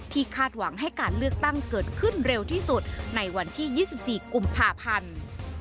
คาดหวังให้การเลือกตั้งเกิดขึ้นเร็วที่สุดในวันที่๒๔กุมภาพันธ์